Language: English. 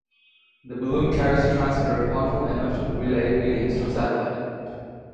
The balloon carries a transmitter powerful enough to relay readings to a satellite.